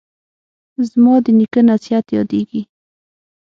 زما د نیکه نصیحت یادیږي